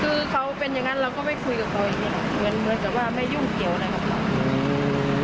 คือเขาเป็นอย่างนั้นเราก็ไม่คุยกับเขาอย่างนี้เหมือนกับว่าไม่ยุ่งเกี่ยวอะไรกับเรา